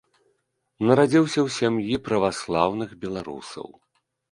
Нарадзіўся ў сям'і праваслаўных беларусаў.